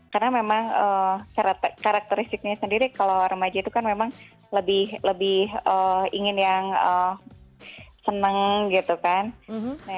karena memang karakteristiknya sendiri kalau remaja itu kan memang lebih ingin yang senang gitu kan